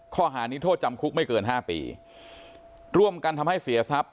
ข้อหานี้โทษจำคุกไม่เกินห้าปีร่วมกันทำให้เสียทรัพย